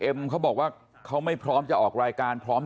เอ็มบอกว่าเพราะไม่ต้องการเผชิญหน้าจริง